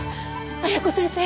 綾子先生